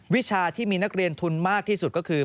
วิชาที่มีนักเรียนทุนมากที่สุดก็คือ